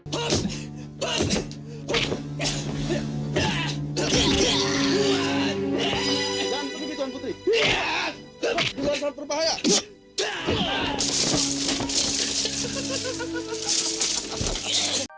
jangan lupa tombol subscribe channel kita untuk mendapatkan pengetahuan terbaru dari video terbaru